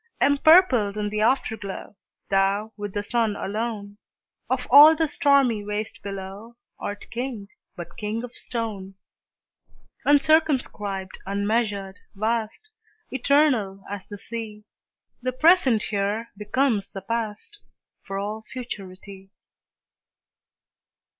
Empurpled in the Afterglow, Thou, with the Sun alone, Of all the stormy waste below, Art King, but king of stone! Uncircumscribed, unmeasured, vast, Eternal as the Sea, The present here becomes the past, For all futurity.